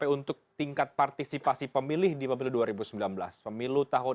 untuk p ach omega in today